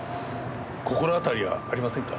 心当たりはありませんか？